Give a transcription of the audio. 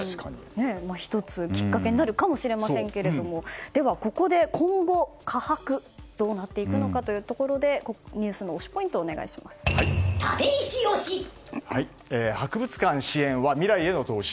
１つ、きっかけになるかもしれませんけれどもここで今後、カハクどうなっていくのかというところでニュースの推しポイントを博物館支援は未来への投資。